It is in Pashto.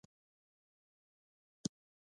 په واک کې چاپلوسي ډېره وي.